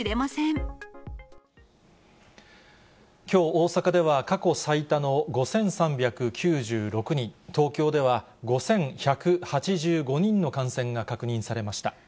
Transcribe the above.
きょう、大阪では過去最多の５３９６人、東京では５１８５人の感染が確認されました。